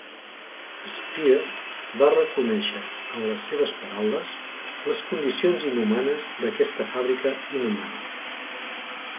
Speer va reconèixer, en les seves paraules, les condicions inhumanes d'aquesta fàbrica inhumana.